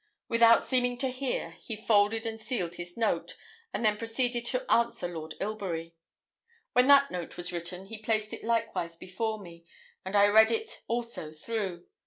Without seeming to hear, he folded and sealed his note, and then proceeded to answer Lord Ilbury. When that note was written, he placed it likewise before me, and I read it also through.